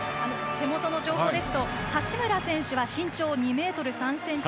手元の情報ですと八村選手は身長２ｍ３ｃｍ。